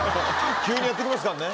急にやって来ますからね。